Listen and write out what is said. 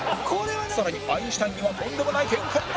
さらにアインシュタインにはとんでもない展開が！？